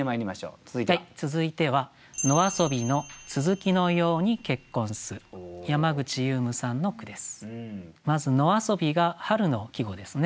続いてはまず「野遊び」が春の季語ですね。